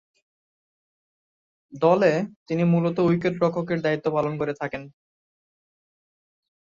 দলে তিনি মূলতঃ উইকেট-রক্ষকের দায়িত্ব পালন করে থাকেন।